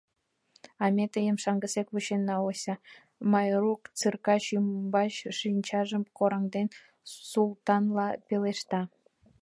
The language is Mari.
— А ме тыйым шаҥгысек вучена, Ося, — Майрук, циркач ӱмбач шинчажым кораҥден, Султанлан пелешта.